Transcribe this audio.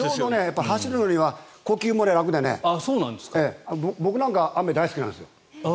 走るのには呼吸も楽で僕なんかは雨大好きなんですよ。